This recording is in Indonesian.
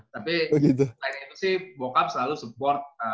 tapi selain itu sih bokap selalu support